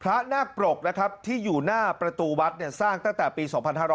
นาคปรกนะครับที่อยู่หน้าประตูวัดสร้างตั้งแต่ปี๒๕๕๙